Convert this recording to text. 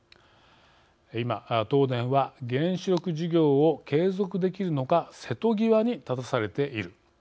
今、東電は原子力事業を継続できるのか瀬戸際に立たされている。